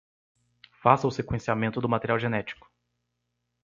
Faça o sequenciamento do material genético